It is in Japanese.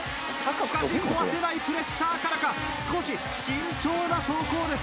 しかし壊せないプレッシャーからか少し慎重な走行です。